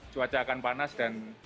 cuaca akan panas dan